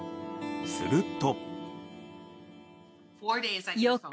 すると。